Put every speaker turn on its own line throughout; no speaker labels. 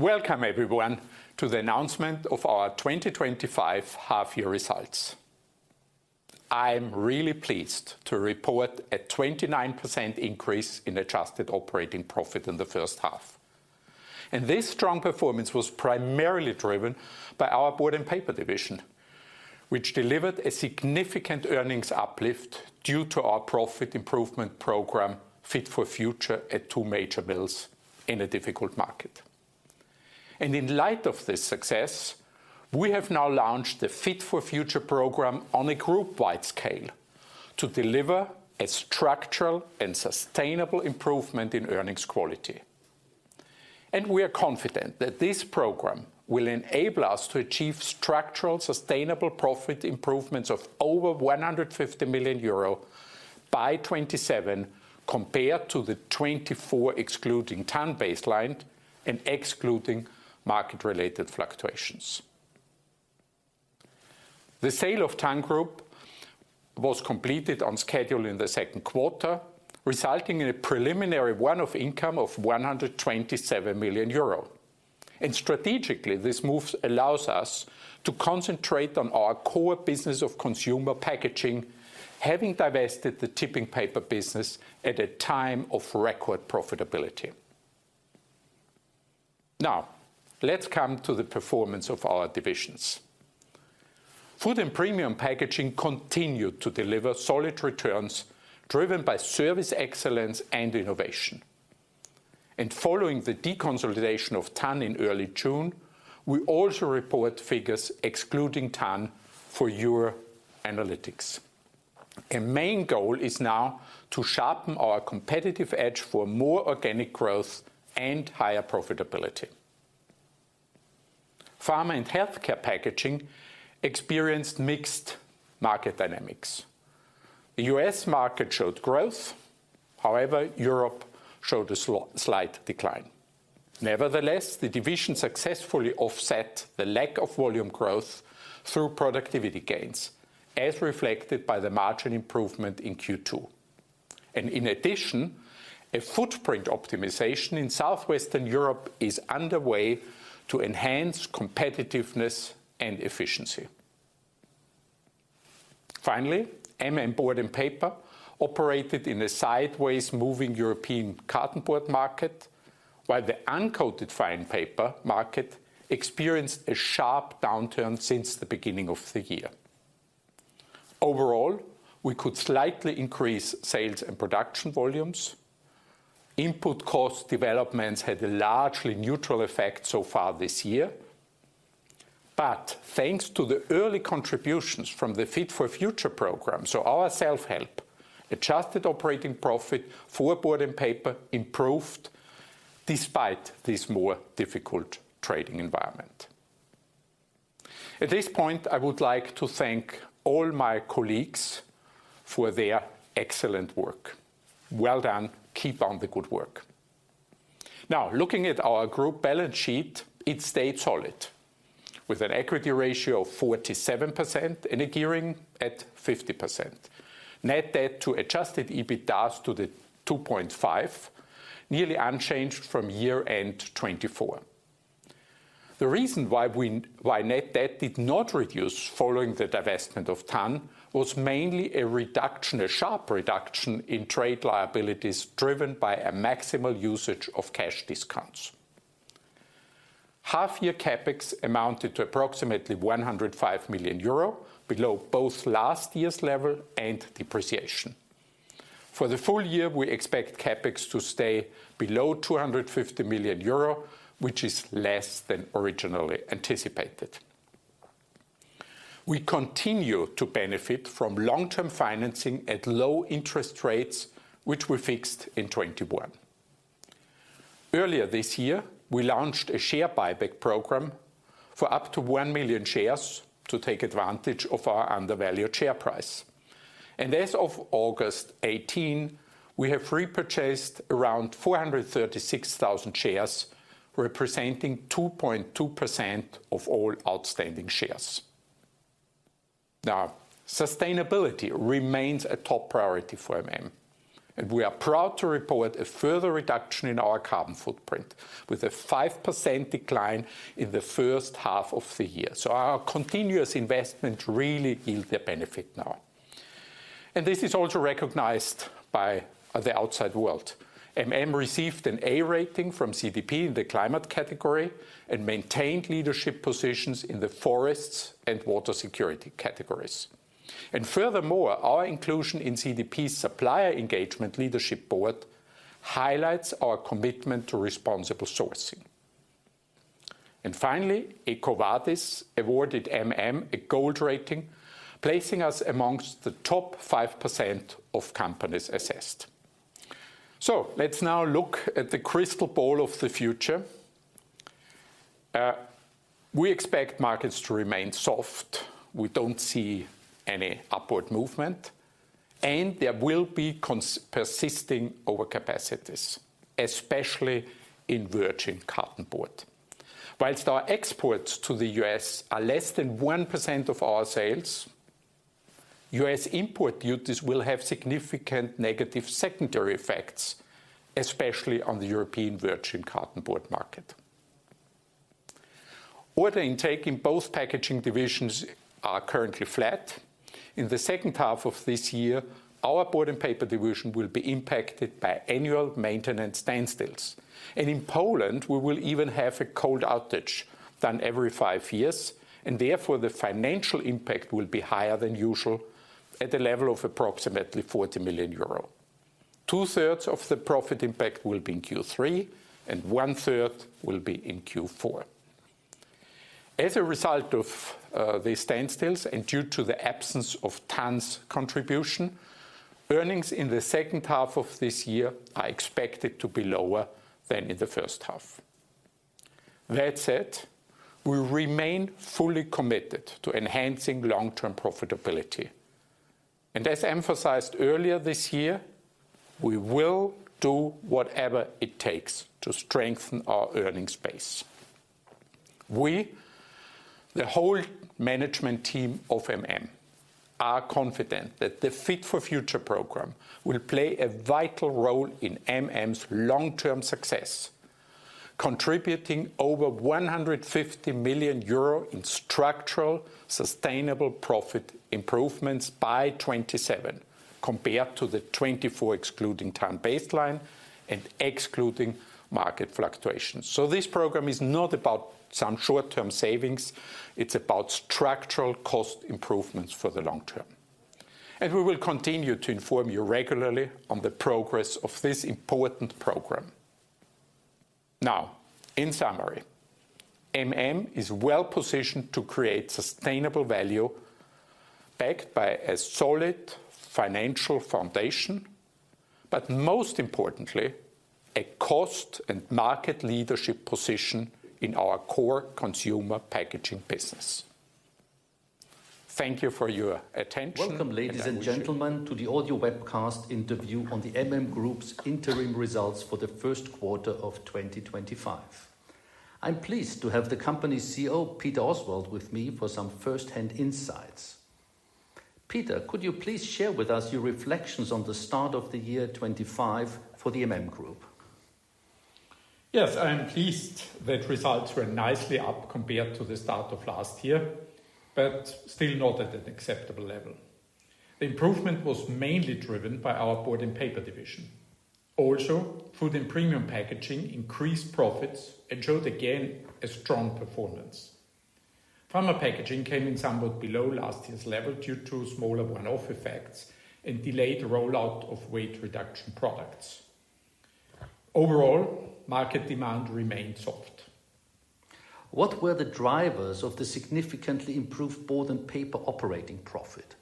Welcome, everyone, to the announcement of our 2025 half-year results. I'm really pleased to report a 29% increase in adjusted operating profit in the first half. This strong performance was primarily driven by our Board & Paper division, which delivered a significant earnings uplift due to our profit improvement program, Fit for Future, at two major mills in a difficult market. In light of this success, we have now launched the Fit for Future program on a group-wide scale to deliver a structural and sustainable improvement in earnings quality. We are confident that this program will enable us to achieve structural, sustainable profit improvements of over 150 million euro by 2027, compared to the 2024 excluding TAN baseline and excluding market-related fluctuations. The sale of TAN Group was completed on schedule in the second quarter, resulting in a preliminary run-off income of 127 million euro. Strategically, this move allows us to concentrate on our core business of consumer packaging, having divested the tipping paper business at a time of record profitability. Now, let's come to the performance of our divisions. Food & Premium Packaging continued to deliver solid returns driven by service excellence and innovation. Following the deconsolidation of TAN in early June, we also report figures excluding TAN for your analytics. Our main goal is now to sharpen our competitive edge for more organic growth and higher profitability. Pharma & Healthcare Packaging experienced mixed market dynamics. The U.S. market showed growth; however, Europe showed a slight decline. Nevertheless, the division successfully offset the lack of volume growth through productivity gains, as reflected by the margin improvement in Q2. In addition, a footprint optimization in Southwestern Europe is underway to enhance competitiveness and efficiency. Finally, MM Board & Paper operated in a sideways moving European cartonboard market, while the uncoated fine paper market experienced a sharp downturn since the beginning of the year. Overall, we could slightly increase sales and production volumes. Input cost developments had a largely neutral effect so far this year. Thanks to the early contributions from the Fit for Future program, our self-help, adjusted operating profit for Board & Paper improved despite this more difficult trading environment. At this point, I would like to thank all my colleagues for their excellent work. Well done. Keep on the good work. Now, looking at our group balance sheet, it stayed solid with an equity ratio of 47% and a gearing at 50%. Net debt to adjusted EBITDA is 2.5, nearly unchanged from year-end 2024. The reason why net debt did not reduce following the divestment of TAN was mainly a sharp reduction in trade liabilities driven by a maximal usage of cash discounts. Half-year CapEx amounted to approximately 105 million euro, below both last year's level and depreciation. For the full year, we expect CapEx to stay below 250 million euro, which is less than originally anticipated. We continue to benefit from long-term financing at low-interest rates, which we fixed in 2021. Earlier this year, we launched a share buyback program for up to 1 million shares to take advantage of our undervalued share price. As of August 1th, we have repurchased around 436,000 shares, representing 2.2% of all outstanding shares. Sustainability remains a top priority for us, and we are proud to report a further reduction in our carbon footprint with a 5% decline in the first half of the year. Our continuous investment really yields a benefit now. This is also recognized by the outside world. We received an A rating from CDP in the climate category and maintained leadership positions in the forest and water security categories. Furthermore, our inclusion in CDP's supplier engagement leadership board highlights our commitment to responsible sourcing. EcoVadis awarded a gold rating, placing us amongst the top 5% of companies assessed. Let's now look at the crystal ball of the future. We expect markets to remain soft. We don't see any upward movement. There will be persisting overcapacities, especially in virgin cartonboard. Whilst our exports to the U.S. are less than 1% of our sales, U.S. import duties will have significant negative secondary effects, especially on the European virgin cartonboard market. Order intake in both packaging divisions is currently flat. In the second half of this year, our board and paper division will be impacted by annual maintenance standstills. In Poland, we will even have a cold outage done every five years. Therefore, the financial impact will be higher than usual at a level of approximately 40 million euro. Two-thirds of the profit impact will be in Q3, and one-third will be in Q4. As a result of these standstills and due to the absence of TAN's contribution, earnings in the second half of this year are expected to be lower than in the first half. That said, we remain fully committed to enhancing long-term profitability. As emphasized earlier this year, we will do whatever it takes to strengthen our earnings base. We, the whole management team of MM, are confident that the Fit for Future program will play a vital role in MM's long-term success, contributing over 150 million euro in structural, sustainable profit improvements by 2027, compared to the 2024 excluding TAN baseline and excluding market fluctuations. This program is not about some short-term savings. It's about structural cost improvements for the long term. We will continue to inform you regularly on the progress of this important program. In summary, MM is well positioned to create sustainable value backed by a solid financial foundation, but most importantly, a cost and market leadership position in our core consumer packaging business. Thank you for your attention.
Welcome, ladies and gentlemen, to the audio webcast interview on theMM's interim results for the first quarter of 2025. I'm pleased to have the company's CEO, Peter Oswald, with me for some firsthand insights. Peter, could you please share with us your reflections on the start of the year 2025 for the Group?
Yes, I am pleased that results were nicely up compared to the start of last year, but still not at an acceptable level. The improvement was mainly driven by our Board & Paper division. Also, Food & Premium Packaging increased profits and showed again a strong performance. Pharma Packaging came in somewhat below last year's level due to smaller one-off effects and delayed rollout of weight reduction products. Overall, market demand remained soft.
What were the drivers of the significantly improved board and paper operating profit?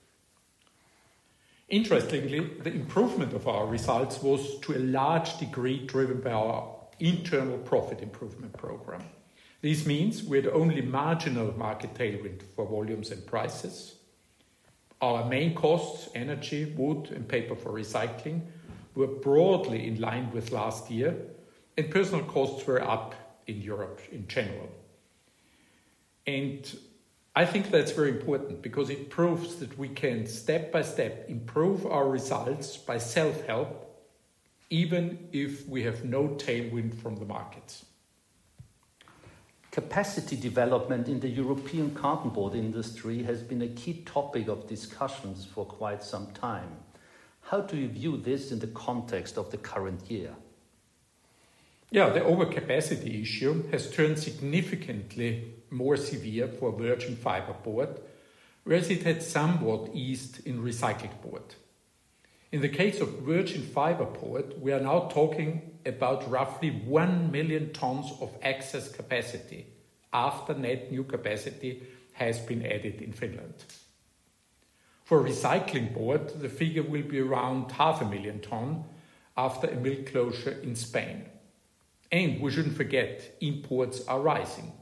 Interestingly, the improvement of our results was to a large degree driven by our internal profit improvement program. This means we had only marginal market tailwind for volumes and prices. Our main costs, energy, wood, and paper for recycling, were broadly in line with last year, and personnel costs were up in Europe in general. I think that's very important because it proves that we can step by step improve our results by self-help, even if we have no tailwind from the markets.
Capacity development in the European cartonboard industry has been a key topic of discussions for quite some time. How do you view this in the context of the current year?
Yeah, the overcapacity issue has turned significantly more severe for virgin fiber board, whereas it had somewhat eased in recycled board. In the case of virgin fiber board, we are now talking about roughly 1 million tonnes of excess capacity after net new capacity has been added in Finland. For recycled board, the figure will be around 500,000 tonnes after a mill closure in Spain. We shouldn't forget, imports are rising.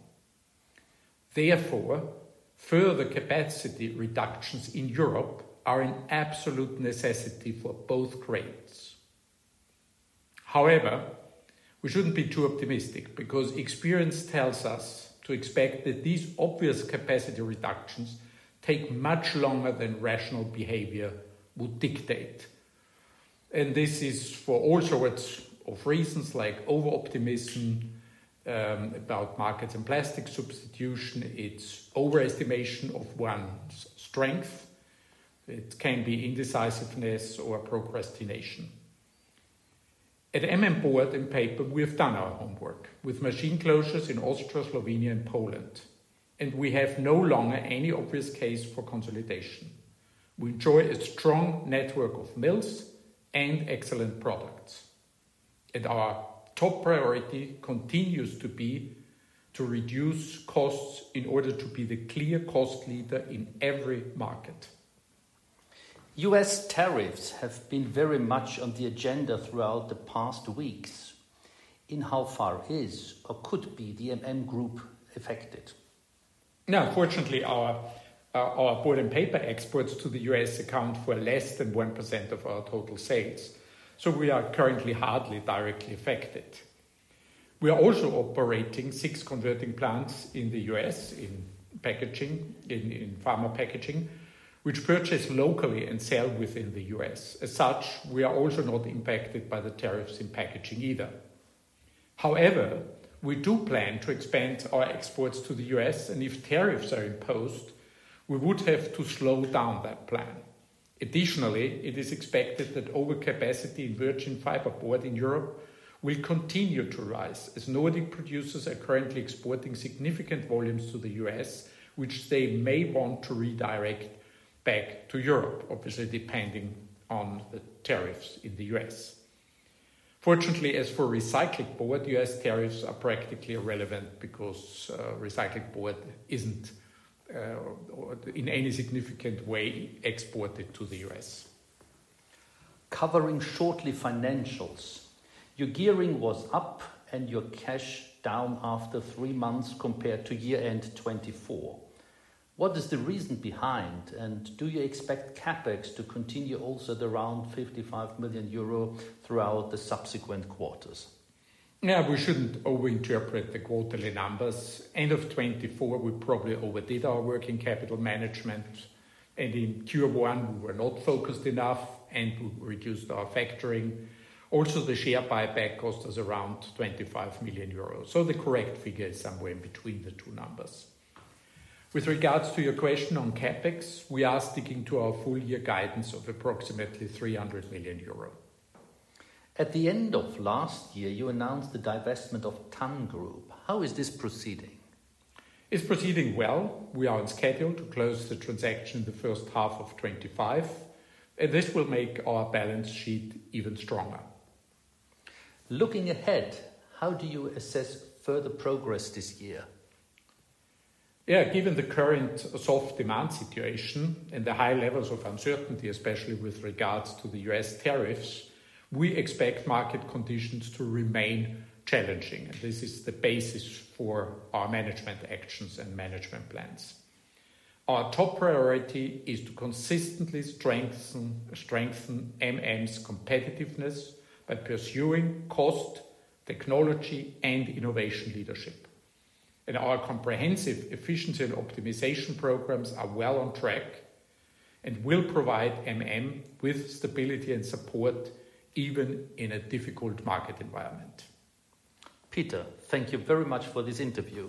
Therefore, further capacity reductions in Europe are an absolute necessity for both grades. However, we shouldn't be too optimistic because experience tells us to expect that these obvious capacity reductions take much longer than rational behavior would dictate. This is for all sorts of reasons like over-optimism about markets and plastic substitution, overestimation of one's strength, indecisiveness, or procrastination. At MM Board & Paper, we have done our homework with machine closures in Austria, Slovenia, and Poland. We have no longer any obvious case for consolidation. We enjoy a strong network of mills and excellent products. Our top priority continues to be to reduce costs in order to be the clear cost leader in every market.
U.S. tariffs have been very much on the agenda throughout the past weeks. In how far is or could be the Group affected?
Yeah, fortunately, our board and paper exports to the U.S. account for less than 1% of our total sales. We are currently hardly directly affected. We are also operating six converting plants in the U.S. in pharma packaging, which purchase locally and sell within the U.S. As such, we are also not impacted by the tariffs in packaging either. However, we do plan to expand our exports to the U.S., and if tariffs are imposed, we would have to slow down that plan. Additionally, it is expected that overcapacity in virgin fiber board in Europe will continue to rise as Nordic producers are currently exporting significant volumes to the U.S., which they may want to redirect back to Europe, obviously depending on the tariffs in the U.S. Fortunately, as for recycled board, U.S. tariffs are practically irrelevant because recycled board isn't in any significant way exported to the U.S.
Covering shortly financials, your gearing was up and your cash down after three months compared to year-end 2024. What is the reason behind, and do you expect CapEx to continue also at around 55 million euro throughout the subsequent quarters?
Yeah, we shouldn't overinterpret the quarterly numbers. End of 2024, we probably overdid our working capital management. In Q1, we were not focused enough and we reduced our factoring. The share buyback cost us around 25 million euros. The correct figure is somewhere in between the two numbers. With regards to your question on CapEx, we are sticking to our full-year guidance of approximately 300 million euro.
At the end of last year, you announced the divestment of TAN Group. How is this proceeding?
It's proceeding well. We are on schedule to close the transaction in the first half of 2025. This will make our balance sheet even stronger.
Looking ahead, how do you assess further progress this year?
Yeah, given the current soft demand situation and the high levels of uncertainty, especially with regards to the U.S. tariffs, we expect market conditions to remain challenging. This is the basis for our management actions and management plans. Our top priority is to consistently strengthen MM's competitiveness by pursuing cost, technology, and innovation leadership. Our comprehensive efficiency and optimization programs are well on track and will provide stability and support even in a difficult market environment.
Peter, thank you very much for this interview.